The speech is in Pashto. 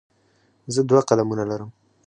زه دوه قلمونه لرم.